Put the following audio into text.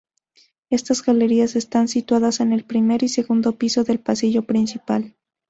Estas galerías están situadas en el primer y segundo piso del Pasillo Principal.